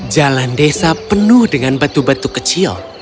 jalan desa penuh dengan batu batu kecil